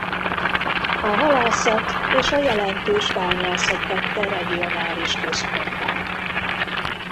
A halászat és a jelentős bányászat tette regionális központtá.